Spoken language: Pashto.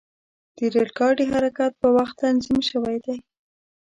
د ریل ګاډي حرکت په وخت تنظیم شوی دی.